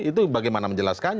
itu bagaimana menjelaskannya